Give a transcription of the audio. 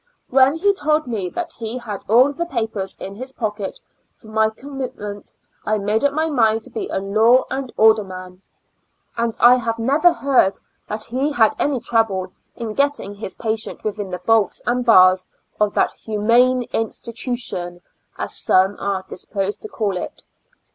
When he told me that he had all the papers in his pocket for my commit ment, I made up my mind to be a law and 07'der man^ and I have never heard that he had any trouble in getting his patient within the bolts and bars of that humane institution^ as some are disposed to call it.